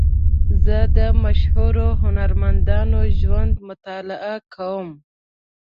زه د مشهورو هنرمندانو ژوند مطالعه کوم.